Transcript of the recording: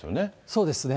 そうですね。